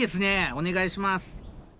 お願いします。